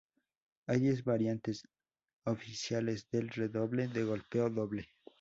Hay diez variantes oficiales del redoble de golpe doble.